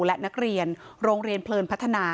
และนักเรียนโรงเรียนเพลินพัฒนา